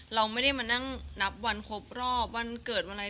เราไม่ได้มานั่งนับวันครบรอบวันเกิดวันอะไร